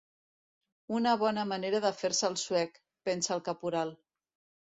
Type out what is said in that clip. Una bona manera de fer-se el suec, pensa el caporal.